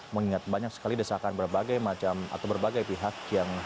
mengingat banyak sekali desakan berbagai macam atau berbagai pihak yang